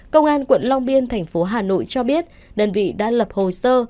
công an quận long biên thành phố hà nội cho biết đơn vị đã lập hồ sơ